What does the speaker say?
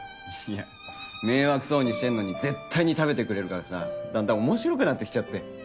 いや迷惑そうにしてるのに絶対に食べてくれるからさだんだん面白くなってきちゃって。